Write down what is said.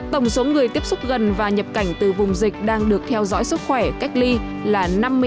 tổng số người tiếp xúc gần và nhập cảnh từ vùng dịch đang được theo dõi sức khỏe cách ly là năm mươi hai một trăm chín mươi sáu